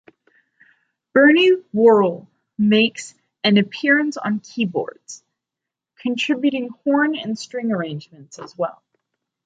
Bernie Worrell makes an appearance on keyboards, contributing horn and string arrangements as well.